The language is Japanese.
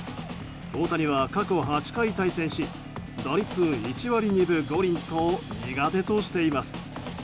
大谷は過去８回対戦し打率１割２分５厘と苦手としています。